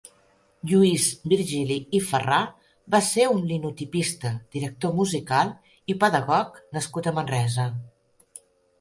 Lluís Virgili i Farrà va ser un linotipista, director musical i pedagog nascut a Manresa.